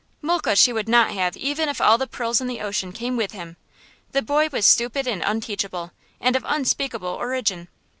Mulke she would not have even if all the pearls in the ocean came with him. The boy was stupid and unteachable, and of unspeakable origin.